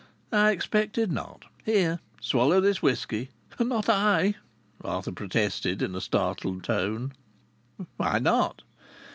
"I expected not. Here! Swallow this whisky." "Not I!" Arthur protested in a startled tone. "Why not?"